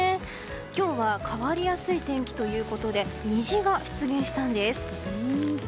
今日は変わりやすい天気ということで虹が出現したんです。